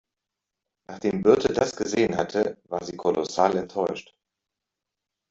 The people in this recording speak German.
Nachdem Birte das gesehen hatte, war sie kolossal enttäuscht.